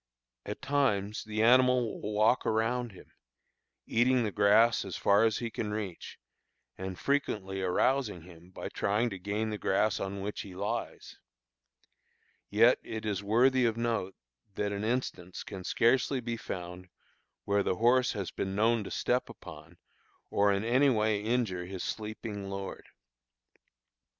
At times the animal will walk around him, eating the grass as far as he can reach, and frequently arousing him by trying to gain the grass on which he lies; yet it is worthy of note, that an instance can scarcely be found where the horse has been known to step upon or in anywise injure his sleeping lord.